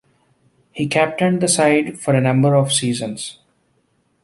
He captained the side for a number of seasons.